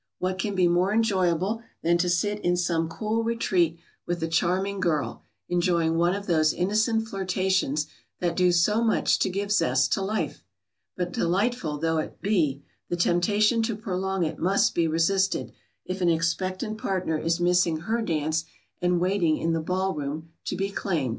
What can be more enjoyable than to sit in some cool retreat with a charming girl, enjoying one of those innocent flirtations that do so much to give zest to life? But delightful though it be, the temptation to prolong it must be resisted, if an expectant partner is missing her dance and waiting in the ball room to be claimed.